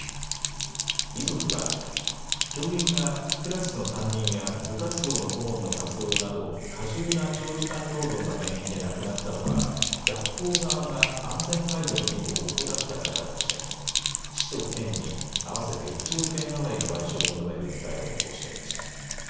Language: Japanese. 遺族は教員がクラスの担任や部活動の顧問の活動など過重な長時間労働が原因で亡くなったのは学校側が安全配慮の義務を怠ったからだとして、市と県に合わせて１億円余りの賠償を求める訴えを起こしていました。